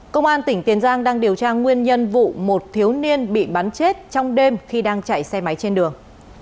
công an tỉnh tiền giang đang điều tra nguyên nhân vụ một thiếu niên bị bắn chết trong đêm khi đang chạy xe máy trên đường